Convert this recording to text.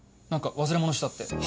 何か忘れ物したって。